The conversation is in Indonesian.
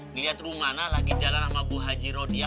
ngeliat rumana lagi jalan sama bu haji rodiah